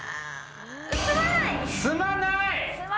住まない！